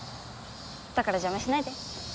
だから邪魔しないで。